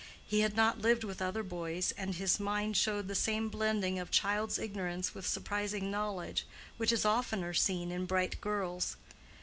He had not lived with other boys, and his mind showed the same blending of child's ignorance with surprising knowledge which is oftener seen in bright girls.